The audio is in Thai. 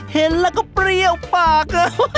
เห็นแล้วก็เปรี้ยวปาก